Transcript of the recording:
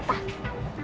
nah berhubung sempurna